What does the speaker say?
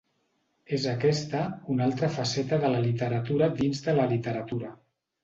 És aquesta una altra faceta de la literatura dins de la literatura.